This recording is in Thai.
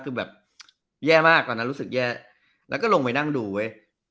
คือแบบแย่มากตอนนั้นรู้สึกแย่แล้วก็ลงไปนั่งดูเว้ย